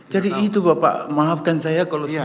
jadi itu bapak maafkan saya kalau sedikit